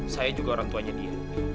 saya juga orang tuanya dia